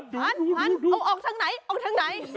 ดูพันเอาออกทางไหน